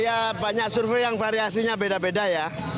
ya banyak survei yang variasinya beda beda ya